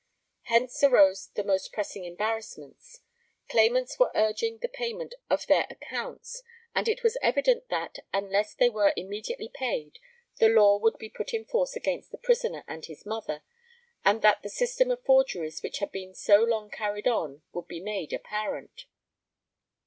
Hence arose the most pressing embarrassments; claimants were urging the payment of their accounts, and it was evident that, unless they were immediately paid, the law would be put in force against the prisoner and his mother, and that the system of forgeries which had been so long carried on would be made apparent.